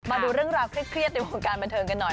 มาดูเรื่องราวเครียดในวงการบันเทิงกันหน่อย